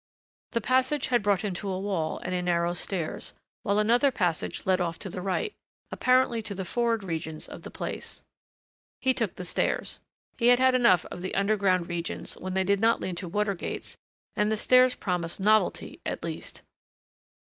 The passage had brought him to a wall and a narrow stairs while another passage led off to the right, apparently to the forward regions of the place. He took the stairs. He had had enough of underground regions when they did not lead to water gates and the stairs promised novelty at least.